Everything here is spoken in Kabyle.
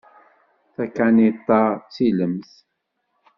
Takaniṭ-a d tilemt.